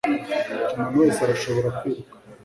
Umuntu wese arashobora kwiruka…